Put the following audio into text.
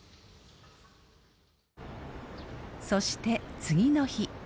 そして次の日。